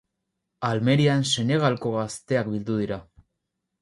Almerian Senegalgo gazteak bildu dira.